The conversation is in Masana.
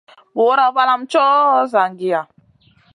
Bùra valam ma tchoho zangiya.